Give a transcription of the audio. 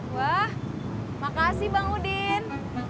wah makasih bang udin